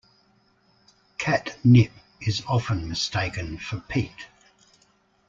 Kat Nipp is often mistaken for Pete.